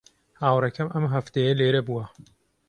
هاوڕێکەم ئەم هەفتەیە لێرە بووە.